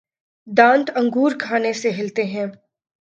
دانت انگور کھانے سے ہلتے تھے